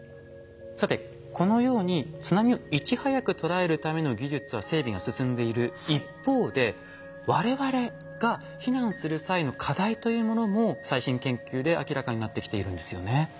さてこのように津波をいち早く捉えるための技術や整備が進んでいる一方で我々が避難する際の課題というものも最新研究で明らかになってきているんですよね。